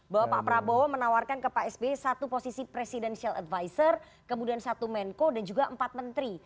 bahwa pak prabowo menawarkan ke pak sby satu posisi presidential advisor kemudian satu menko dan juga empat menteri